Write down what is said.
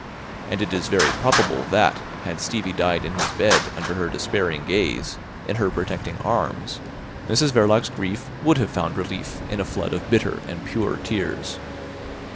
And it is very probable that had Stevie died in his bed under her despairing gaze, in her protecting arms, Mrs Verloc's grief would have found relief in a flood of bitter and pure tears.